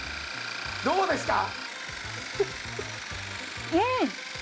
どうですか？